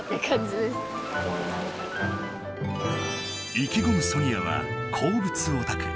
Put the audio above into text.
意気込むソニアは鉱物オタク。